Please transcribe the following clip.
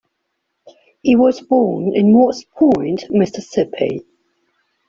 He was born in Moss Point, Mississippi.